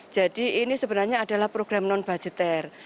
jadi ini sebenarnya adalah program non budgeter